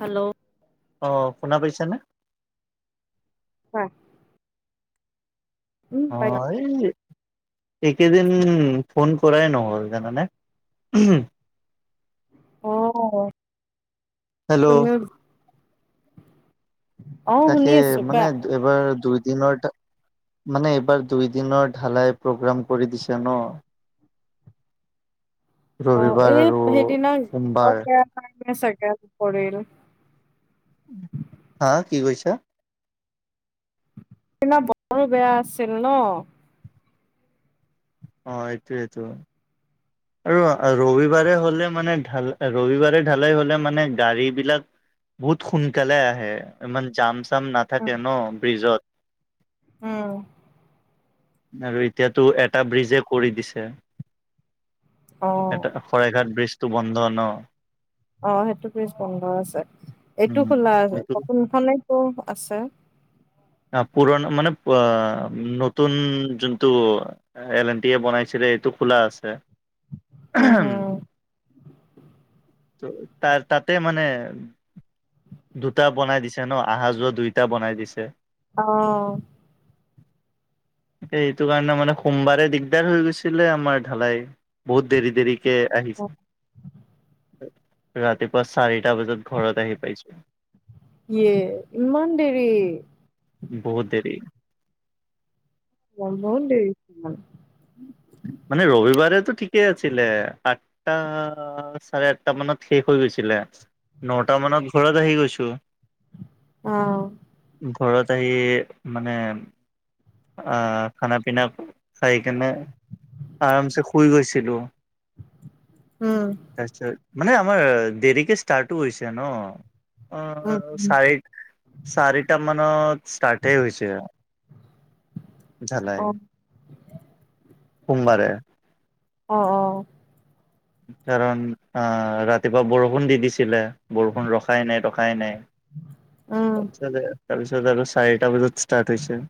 Hello অ', শুনা পাইছানে? কোৱা। উম, পাৰিবা। [inaudible] এইকেদিন ফোন কৰাই নহ'ল জানানে। উহু অ হেল্লো। তুমিও অ শুনি তাকে আছো কোৱা মানে এবাৰ দুইদিনৰ তা মানে এইবাৰ দুই দিনৰ ঢালাই প্ৰগ্ৰাম কৰি দিছে ন? অ এই ৰবিবাৰ আৰু সেইদিনা সোমবাৰ। [inaudible] পৰিল। হা কি কৈছা? সদিনা বতৰো বেয়া আছিল ন অ', হেইটো হেইটো। আৰু ৰবিবাৰে হ'লে মানে ঢাল ৰবিবাৰে ঢালাই হলে মানে গাড়ী বিলাক বহুত সোনকালে আহে ইমান যাম চাম উম নাথাকে ন' ব্ৰিজত উম। আৰু এতিয়াতো এটা ব্ৰিজে কৰি দিছে। অ এটা শৰাইঘাট ব্ৰিজটো বন্ধ ন? অ', সেইটো ব্ৰিজ বন্ধ আছে, উম, এইটো খোলা আছে এইটো অ'কোন ফালে কোন আছে অ', পুৰণা মানে পোৱা নতুন যোনটো এল এন টি য়ে বনাইছিলে এইটো খোলা আছে। হো, হো। টোৰ তাৰ তাতে মানে দুটা বনাই দিছে ন? আহা যোৱা দুইটা বনাই দিছে। অ'। [inaudible] এইটো কাৰণে মানে সোমবাৰে দিগদাৰ হৈ গৈছিলে আমাৰ ঢালাই বহুত দেৰি দেৰিকে আহিছে। ৰাতিপুৱা চাৰিটা বজাত ঘৰত আহি পাইছোঁ। এয়ে ইমান দেৰি বহুত দেৰি [unintelligible] দেৰি [unintelligible] মানে ৰবিবাৰেটো ঠিকেই আছিলে। আঠটা চাৰে আঠটা মানত শেষ হৈ গৈছিলে। নটা মানত ঘৰত আহি গৈছোঁ। অ'। ঘৰত আহি মানে আ' খানা পিনা খাই কিনে আৰামছে শুই গৈছিলোঁ। উম। তাৰপিছত, মানে আমাৰ দেৰিকে ষ্টাৰ্টো হৈছে ন উম অ' উম চাৰিট, চাৰিটা মানত ষ্টাৰ্টে হৈছে আৰু জালাই অ সোমবাৰে অ', অ'। কাৰণ অ' ৰাতিপুৱা বৰষুণ দি দিছিলে, বৰষুণ ৰখাই নাই ৰখাই নাই। উম তাৰপিছতে-তাৰপিছত আৰু চাৰিটা বজাত ষ্টাৰ্ট হৈছে।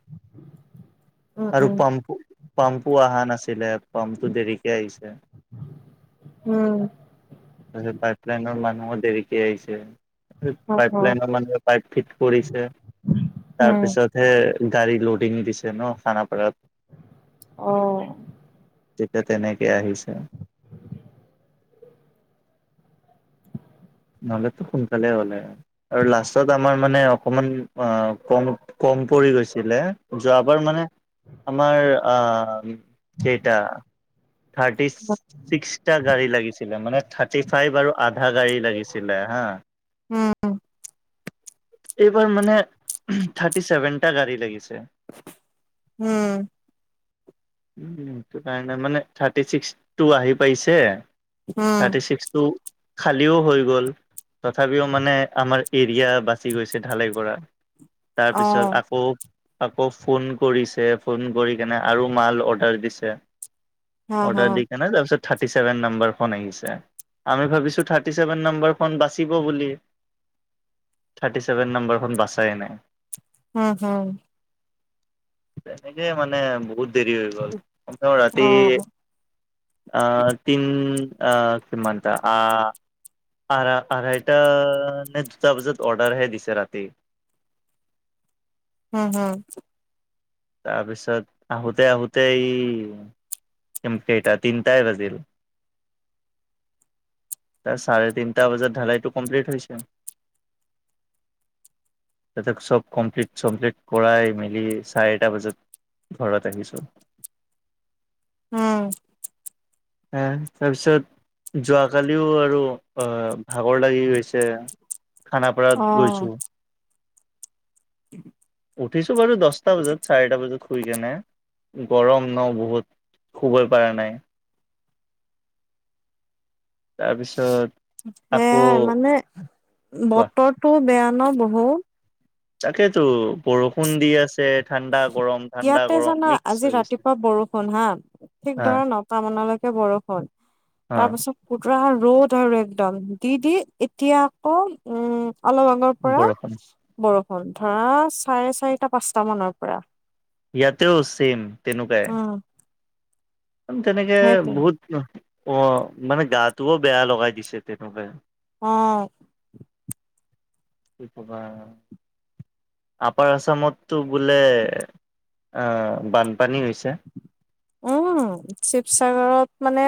উম আৰু উম পাম্পু, পাম্পু আহা নাছিলে। পাম্পটো দেৰিকে আহিছে। উম। তাৰপিছত পাইপ লাইনৰ মানুহো দেৰিকে আহিছে। অ অ পাইপ লাইনৰ মানুহ পাইপ ফিট কৰিছে। উম তাৰপিছত হে গাড়ী লডিং দিছে ন', খানাপাৰাত। অ'। তেতিয়া তেনেকে আহিছে। নহ'লেতো সোনকালে হ'লে হয়। আৰু লাষ্টত আমাৰ মানে অকণমান অ' কম কম পৰি গৈছিলে, যোৱাবাৰ মানে আমাৰ আ, কেইটা থাৰ্টি ছ-ছিক্সটা গাড়ী লাগিছিলে, মানে থাৰটি ফাইভ আৰু আধা গাড়ী লাগিছিলে। ছিলে হা। উম, এইবাৰ মানে [inaudible] থাৰ্টি ছেভেনটা গাড়ী লাগিছে। উম। সেইটো কাৰণে মানে থাৰ্টি ছিক্সটো আহি পাইছে। উম, থাৰ্টি ছিক্সটো খালিও হৈ গ'ল, তথাপিও মানে আমাৰ এৰিয়া বাচি গৈছে ঢালাইৰ পৰা। তাৰপিছত অ', আকৌ আকৌ ফোন কৰিছে, ফোন কৰি কেনে আৰু মাল অৰ্ডাৰ দিছে। হম, অৰ্ডাৰ হম, দি কেনে তাৰপিছত থাৰ্টি চেভেন নাম্বাৰ খন আহিছে, আমি ভাবিছোঁ থাৰ্টি চেভেন নাম্বাৰখন বাচিব বুলি। থাৰ্টি ছেভেন নাম্বাৰখন বাচাই নাই। উম, হুম। তেনেকেই মানে বহুত দেৰি হৈ গ'ল, কমেও ৰাতি অ', আ-তিন আ-কিমানটা। আ আঢ়া-আঢ়াইটা নে দুটা বজাত অৰ্ডাৰ হে দিছে ৰাতি। উম, উম। তাৰপিছত আহোঁতে-আহোঁতে এই কিম-কেইটা তিনটাই বাজিল। তাৰ চাৰে তিনটা বাজাত ঢালাইটো কমপ্লিট হৈছে। তাতে চব কমপ্লিট-চমপ্লিট কৰাই মেলি চাৰিটা বাজাত ঘৰত আহিছোঁ। উম। এ তাৰপিছত যোৱাকালিও আৰু অ-ভাগৰ লাগি গৈছে। খানাপাৰাত অ', গৈছোঁ। উঠিছোঁ বাৰু দছটা বাজাত চাৰিটা বাজাত শুই কেনে। গৰম ন' বহুত, শুবই পৰা নাই। তাৰপিছত আকৌ সেয়াই মানে, কোৱা বতৰটো বেয়া ন' বহুত। তাকেইতো, বৰষুণ দি আছে। ঠাণ্ডা গৰম ঠাণ্ডা ইয়াতে গৰম জানা, মিক্স আজি হৈ গৈছে ৰাতিপুৱা বৰষুণ হা, ঠিক হা ধৰা ন নটা মানলৈকে বৰষূণ, হা তাৰ পাছত [unintelligible] ৰ'দ আৰু একদম, দি-দি এতিয়া আকৌ উম, অলপ আগৰ পৰা বৰষুণ বৰষুণ, ধৰা চাৰে চাৰিটা পাঁচটা মানৰ পৰা। ইয়াতেও ছেম তেনেকুৱাই উম, তেনেকে সেইটোৱে বহুত অ', মানে গাটোও বেয়া লগাই দিছে তেনেকুৱাই অ', কি কবা আপাৰ আছামতটো বোলে আ, বানপানী হৈছে উম, শিৱসাগৰত মানে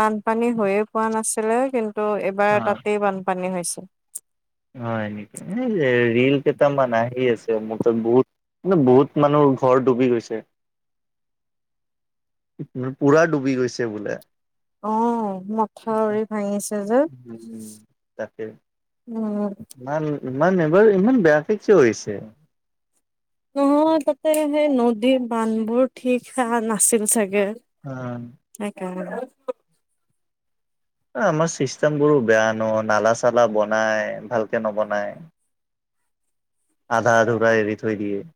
বানপানী হৈয়ে পোৱা নাছিলে কিন্তু এইবাৰ অ তাতেই বানপানী হৈছে হয়, নেকি ৰিল কেইটামান আহি আছে মোৰ তাত বহুত বহুত মানুহৰ ঘৰ ডুবি গৈছে পুৰা ডুবি গৈছে বোলে অ', মথাউৰি ভাঙিছে যে, উম উম, ইমান-ইমান, এবাৰ ইমান বেয়া কিয় হৈছে? নহয় তাতে সেই নদী বান্ধবোৰ ঠিক হে নাছিল চাগে আ, সেইকাৰণে এ আমাৰ চিষ্টেমবোৰো বেয়া ন' নালা চালা বনায় ভালকে নবনায় আধা আধুৰা এৰি থৈ দিয়ে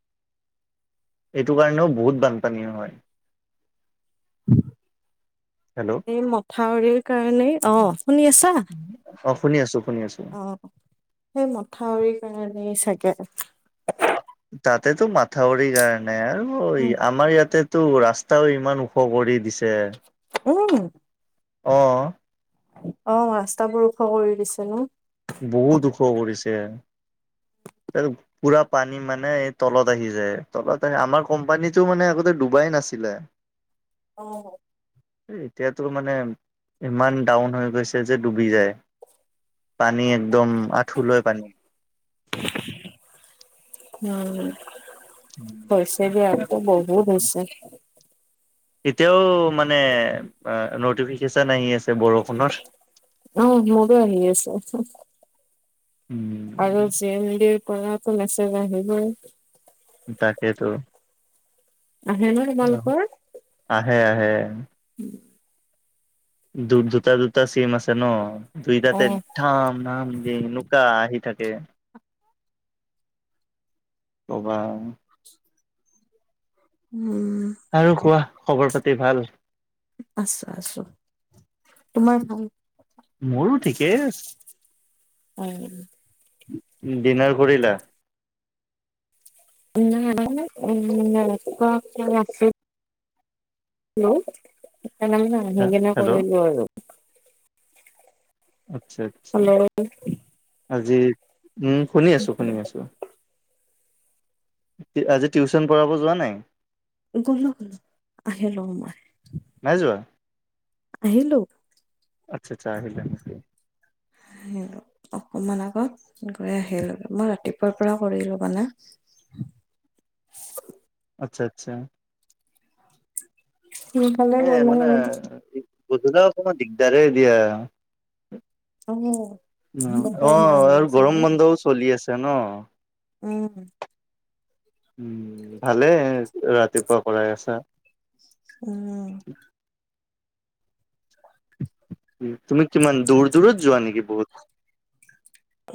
এইটো কাৰণেও বহুত বানপানী হয় হেল্ল' এই, মথাউৰিৰ কাৰণেই অ, শুনি আছা? অ শুনি আছো শুনি আছো সেই মথাউৰি কাৰণেই চাগে তাতেতো মাথাউৰি কাৰণে আৰু উম, আমাৰ ইয়াতে টো ৰাস্তাও ইমান ওখ কৰি দিছে উম, অ', অ', ৰাস্তা বোৰ ওখ কৰি দিছে ন বহুত ওখ কৰিছে পুৰা পানী মানে এই তলত আহি যায় তলত আহ আমাৰ কোম্পানীটো মানে আগতে ডুবাই নাছিলে [inaudible] অ', এতিয়াতো মানে ইমান ডাউন হৈ গৈছে যে ডুবি যায় পানী একদম আঁঠুলয় পানী উম, হৈছে আৰু ইয়াতো কি বহুত কব হৈছে এতিয়াও মানে নটিফিকেশ্যন আহি আছে বৰষুণৰ উম, মোৰো আহি আছে আৰু উম জি এম ডি পৰাটো মেছেজ আহিবই তাকেইেতো আহে ন' তোমালোকৰ? আহে, আহে উম, দু, দুটা-দুটা চিম আছে ন' অ দুইটাতে [unintelligible] দিয়ে এনেকুৱা আহি থাকে। কবা উম, আৰু কোৱা খবৰ পাতি ভাল? আছো। আছো। তোমাৰ ভাল? মোৰো ঠিকেই আছে। অ'হ। ডিনাৰ কৰিলা? নাই নাই ক [unintelligible] আছোঁ। হেল্ল' সেকাৰণে মানে [unintelligible] হেল্ল' নকৰিলো আৰু আচ্ছা। আচ্ছা। হেল্ল' আজি- উম। শুনি আছোঁ। শুনি আছোঁ। আজি টিউশ্যন পঢ়াব যোৱা নাই? গ'লো। আহিলোংগৈ। নাই যোৱা? আহিলো। আচ্ছা। আচ্ছা। আহিলা। আহিলো। অকমান আগত গৈ আহিলো। মই ৰাতিপুৱাৰ পৰা কৰিলো মানে। আচ্ছা। আচ্ছা। সোনকালে এই গ'লা মানে আৰু দিক গধূলা অকণমান দিগদাৰে দিয়া। অ বতৰ বেয়া অহ। হৈ আৰু আছে গৰম যে বন্ধও চলি আছে ন। উম। উম ভালে। ৰাতিপুৱা কৰাই আছা। উম। তুমি কিমান দূৰ -দূৰত যোৱা নেকি বহুত?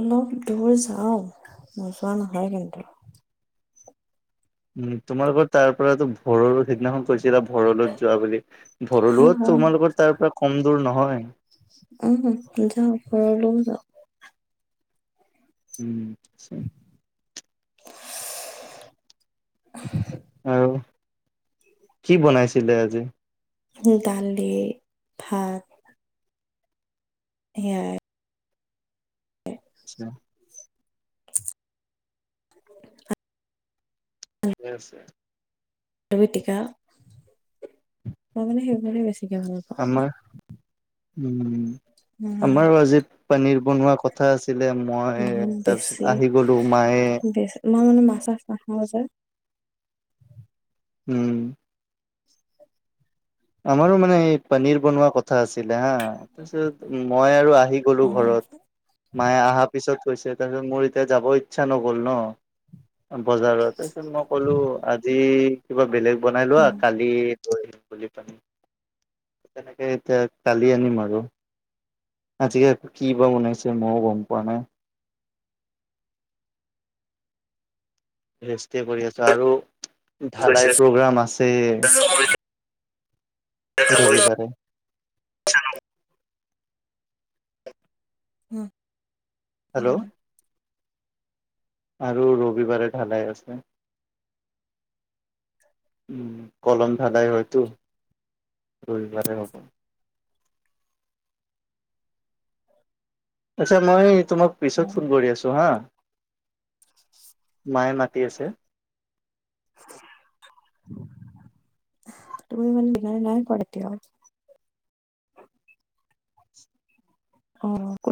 অলপ দূৰ যাওঁ। নোযোৱা নহয় কিন্তু! উম। তোমালোকৰ তাৰ পৰাতো ভৰলু সিদিনাখন কৈছ -ছিলা ভৰলুত যোৱা বুলি। ভৰলুও অ', অ', তোমালোকৰ তাৰ পৰা কম দূৰ নহয়। উম যাওঁ। ভৰলুও যাওঁ। উম [unintelligible] [inaudible] [inaudible] আৰু, কি বনাইছিলে আজি? দালি, ভাত সেয়াই এ আচ্ছা। [inaudible] ঠিকে আছে। -পিটিকা। মই মানে সেইবোৰে বেছিকে ভাল পা আমাৰ, উম। উম, আমাৰো আজি পনীৰ বনোৱা কথা আছি -লে মই বহুত তাৰপিছত আহি গলো। মায়ে নহয় মানে, মাছ -চাছ নাখাওঁ যে। উম। আমাৰো মানে এই পনীৰ বনোৱা কথা আছিলে, হা তাৰপিছত মই আৰু আহি গলোঁ অ', ঘৰত। মায়ে অহা পিছত কৈছে। তাৰপিছত মোৰ এতিয়া যাব ইচ্ছা নগ'ল ন -বজাৰত। তাৰপিছত মই কলো, আজি কিবা বেলেগ বনাই লোৱা। উম। কালি লৈ আহিম বুলি পেলাই। তেনেকে এতিয়া কালি আনিম আৰু। আজি আক' কি বা বনাইছে, ময়ো গম পোৱা নাই। ৰেষ্টে কৰি আছো। আৰু ঢালাই কৈছে। প্ৰগ্ৰাম আছেই ৰবিবাৰে [inaudible] হুহ। হেল্ল' আৰু ৰবিবাৰে ঢালাই আছে। উম। কলম ধালাই হয়তো। ৰবিবাৰে হ'ব। আচ্ছা, মই তোমাক পিছত ফোন অ', কৰি আছো। ত' হা। মায়ে মাতি আছে তুমি মানে ডিনাৰ নাই কৰা এতিয়াও? অ'হ কো